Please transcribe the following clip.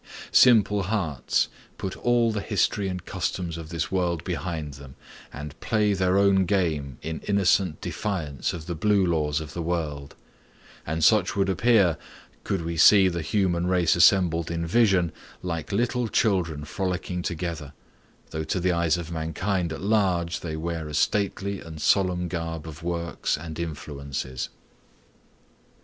Simple hearts put all the history and customs of this world behind them, and play their own game in innocent defiance of the Blue Laws of the world; and such would appear, could we see the human race assembled in vision, like little children frolicking together, though to the eyes of mankind at large they wear a stately and solemn garb of works and influences.